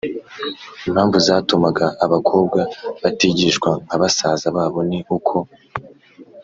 Impamvu zatumaga abakobwa batigishwa nka basaza babo, ni uko